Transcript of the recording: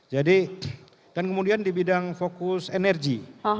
jadi dan kemudian di bidang fokus energi